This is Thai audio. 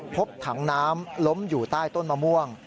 พบถังน้ำล้มอยู่ใต้ต้นมะม่วง